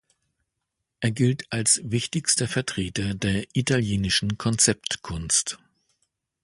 Er gilt als wichtigster Vertreter der italienischen Konzeptkunst.